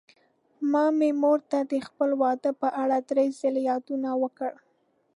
ما مې مور ته د خپل واده په اړه دری ځلې يادوونه وکړه.